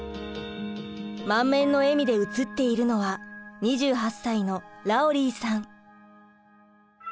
満面の笑みで映っているのは２８歳のラオリーさん。